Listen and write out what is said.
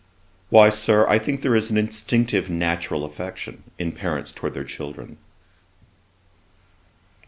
'Why, Sir, I think there is an instinctive natural affection in parents towards their children.'